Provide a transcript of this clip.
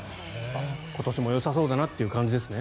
今年もよさそうだなって感じですね。